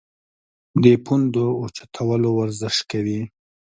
د پوندو اوچتولو ورزش کوی -